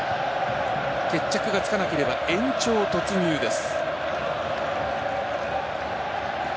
決着がつかなければ延長突入です。